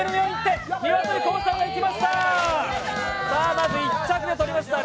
まず１着でとりました。